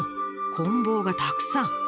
こん棒がたくさん！